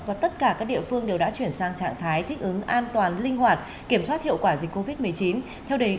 và tất cả các địa phương đều đã chuyển sang trạng thái thích ứng an toàn linh hoạt kiểm soát hiệu quả dịch covid một mươi chín